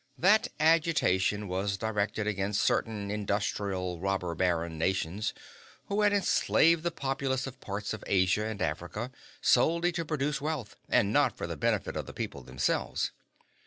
That agitation was directed against certain industrialist robber baron nations who had enslaved the populace of parts of Asia and Africa solely to produce wealth, and not for the benefit of the people themselves.